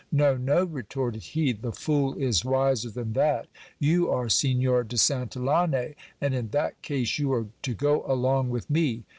No, no, retorted he, the fool is wiser than that. You are Signor de Santillane ; and in that case you are to go along with me.